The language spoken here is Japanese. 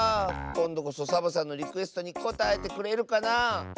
こんどこそサボさんのリクエストにこたえてくれるかなあ。